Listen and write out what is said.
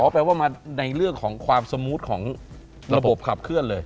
แปลว่ามาในเรื่องของความสมูทของระบบขับเคลื่อนเลย